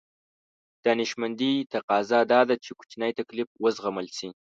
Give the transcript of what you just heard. دانشمندي تقاضا دا ده چې کوچنی تکليف وزغمل شي.